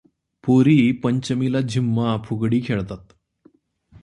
पोरी पंचमीला झिम्मा, फुगडी खेळतात.